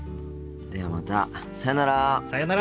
ではまたさよなら。